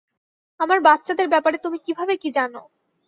আমার বাচ্চাদের ব্যাপারে তুমি কিভাবে কি জানো?